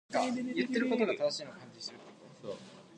Bennett resided in Cleveland, Ohio, with his wife Ruth Ann.